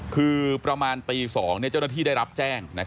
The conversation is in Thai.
คือประมาณตี๒เจ้าหน้าที่ได้รับแจ้ง